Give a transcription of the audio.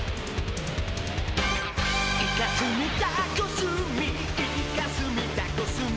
「イカスミ・タコスミ・イカスミ・タコスミ」